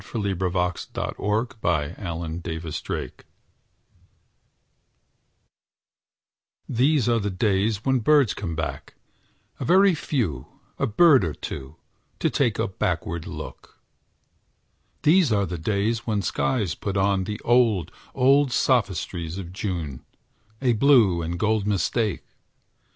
George Arnold [1834 1865] INDIAN SUMMER These are the days when birds come back, A very few, a bird or two, To take a backward look. These are the days when skies put on The old, old sophistries of June, A blue and gold mistake.